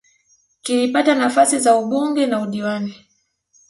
kilipata nafasi za ubunge na udiwani